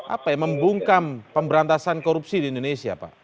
apa ya membungkam pemberantasan korupsi di indonesia pak